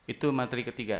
itu materi ketiga